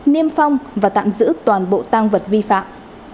niêm phong và tạm giữ toàn bộ tăng vật vi phạm